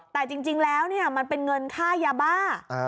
แต่จริงแล้วมันเป็นเงินค่ายาบ้า